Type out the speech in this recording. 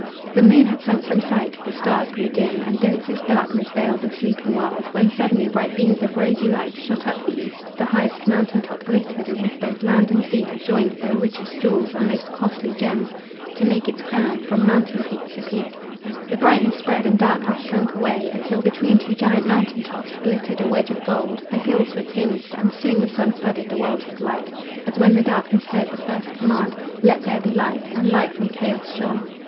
The moon had sunk from sight, the stars grew dim, And densest darkness veiled the sleeping world, When suddenly bright beams of rosy light Shot up the east; the highest mountain top Glittered as if both land and sea had joined Their richest jewels and most costly gems To make its crown; from mountain peak to peak The brightness spread, and darkness slunk away, Until between two giant mountain tops Glittered a wedge of gold; the hills were tinged, And soon the sun flooded the world with light As when the darkness heard that first command: "Let there be light!" and light from chaos shone.